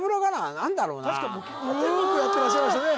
何だろうな「天国」やってらっしゃいましたね